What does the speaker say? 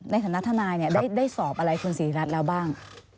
ในฐานะทนายได้สอบอะไรคุณศรีรัตน์แล้วบ้าง